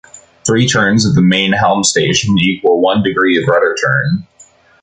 Three turns of the main helm station equal one degree of rudder turn.